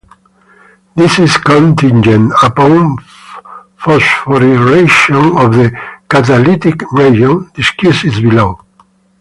This is contingent upon phosphorylation of the catalytic region, discussed below.